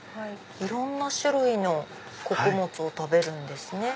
いろんな種類の穀物を食べるんですね。